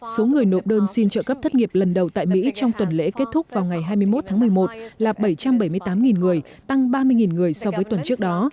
số người nộp đơn xin trợ cấp thất nghiệp lần đầu tại mỹ trong tuần lễ kết thúc vào ngày hai mươi một tháng một mươi một là bảy trăm bảy mươi tám người tăng ba mươi người so với tuần trước đó